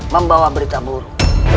membawa berita buruk